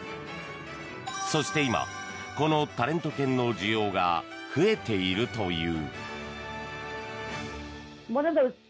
そして今このタレント犬の需要が増えているという。